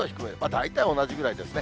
大体同じぐらいですね。